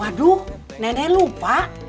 waduh nenek lupa